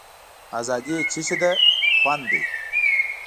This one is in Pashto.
آزادي څه شی ده خوند دی.